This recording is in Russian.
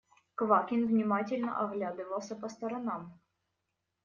Квакин внимательно оглядывался по сторонам.